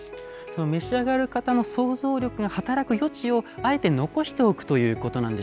召し上がる方の想像力が働く余地をあえて残しておくということなんでしょうか？